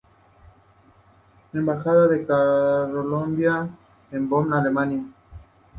Embajada de Colombia en Bonn, Alemania.